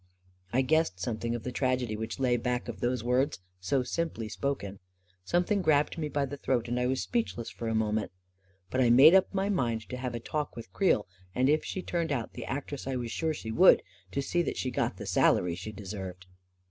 I guessed something of the tragedy which lay back of those words, so simply spoken. Something grabbed me by the throat, and I was speechless for a moment But I made up my mind to have a talk A KING IN BABYLON 67 with Creel, and if she turned out the actress I was sure she would, to see that she got the salary she deserved.